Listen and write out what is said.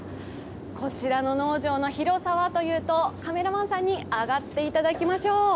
こちらの農場の広さはというとカメラマンさんに上がっていただきましょう。